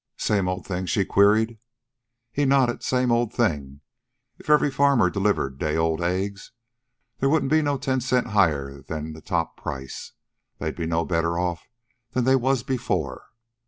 "Same old thing?" she queried. He nodded. "Same old thing. If every farmer delivered day old eggs, there wouldn't be no ten cents higher 'n the top price. They'd be no better off than they was before."